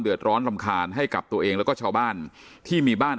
ร้อนรำคาญให้กับตัวเองแล้วก็ชาวบ้านที่มีบ้าน